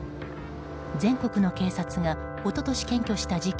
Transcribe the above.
全国の警察が一昨年検挙した事件